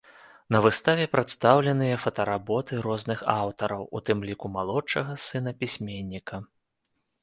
На выставе прадстаўленыя фотаработы розных аўтараў, у тым ліку малодшага сына пісьменніка.